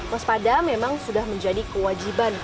mas pada memang sudah menjadi kewajiban